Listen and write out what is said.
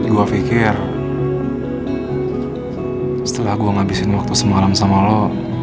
gue pikir setelah gue ngabisin waktu semalam sama lo